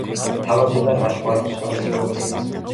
თამაშობდა ნახევარმცველის პოზიციაზე.